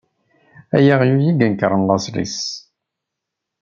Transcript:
Ala aɣyul i i inekṛen laṣel-is.